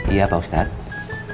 iya pak ustadz